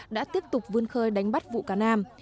đã tiếp tục vươn khơi đánh bắt vụ cá nam